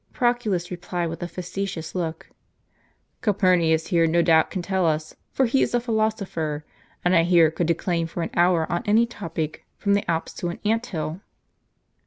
" Proculus replied, with a facetious look :" Calpurnius here no doubt can tell us; for he is a philosopher, and I hear could declaim for an hour on any topic, from the Alps to an ant hill."